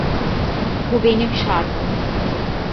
Bu benim şarkım.